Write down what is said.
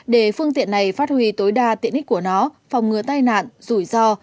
để phương tiện này phát huy tối đa tiện ích của nó phòng ngừa tai nạn rủi ro